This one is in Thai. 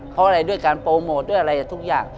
เพราะอะไรด้วยการโปรโมทด้วยอะไรทุกอย่าง